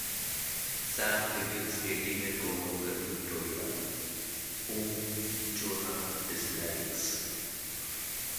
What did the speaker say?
Sam begins dating a co-worker Victoria, whom Jonah dislikes.